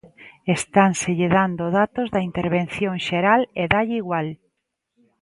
Estánselle dando datos da Intervención Xeral e dálle igual.